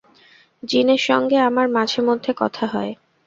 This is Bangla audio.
জিনের সঙ্গে আমার মাঝেমধ্যে কথা হয়।